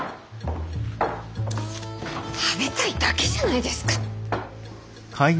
食べたいだけじゃないですか。